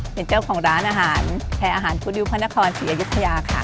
เป็นเจ้าของร้านอาหารแห่อาหารฟุดิวพระนครศรีอยุธยาค่ะ